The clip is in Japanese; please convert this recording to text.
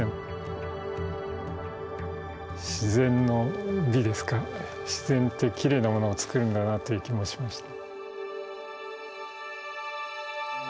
自然の美ですか自然ってきれいなものをつくるんだなという気もしました。